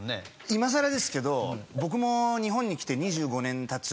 今さらですけど僕も日本に来て２５年経つ。